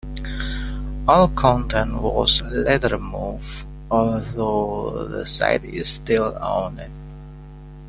All content was later removed, although the site is still owned.